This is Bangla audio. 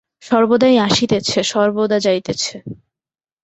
সর্বদাই আসিতেছে, সর্বদা যাইতেছে।